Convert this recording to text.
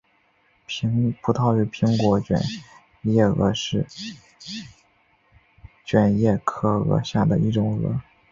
葡萄与苹果卷叶蛾是卷叶蛾科下的一种蛾。